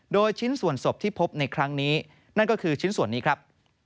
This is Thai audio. โดยชิ้นส่วนศพที่พบในครั้งนี้นั่นก็คือชิ้นส่วนนี้ครับ